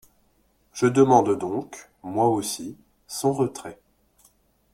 Je demande donc, moi aussi, son retrait.